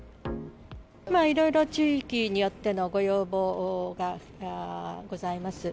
いろいろ地域によってのご要望がございます。